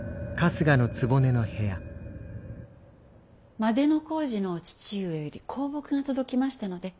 万里小路のお父上より香木が届きましたので。